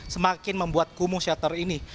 semakin membuat kumuh shutter ini